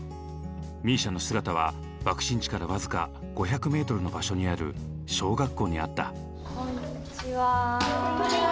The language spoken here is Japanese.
ＭＩＳＩＡの姿は爆心地から僅か５００ｍの場所にある小学校にあった。